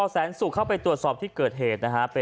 แสนสุกเข้าไปตรวจสอบที่เกิดเหตุนะฮะ